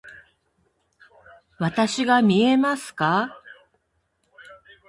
わたしが見えますか？